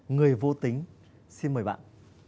người vô tính xin mời bạn